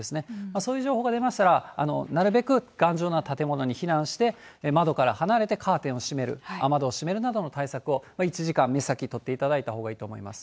そういう情報が出ましたら、なるべく頑丈な建物に避難して、窓から離れてカーテンを閉める、雨戸を閉めるなどの対策を、１時間、目先取っていただいたほうがいいと思います。